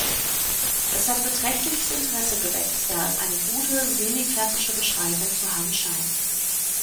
Es hat beträchtliches Interesse geweckt, da es eine gute semiklassische Beschreibung zu haben scheint.